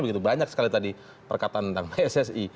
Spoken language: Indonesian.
begitu banyak sekali tadi perkataan tentang pssi